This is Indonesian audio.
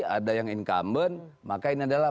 ada yang incumbent maka ini adalah